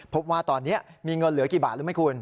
พบว่าตอนนี้มีเงินเหลือกี่บาทรู้ไหมคุณ